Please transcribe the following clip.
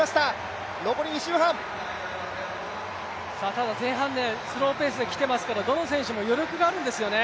ただ前半スローペースで来てますからどの選手も余力があるんですよね。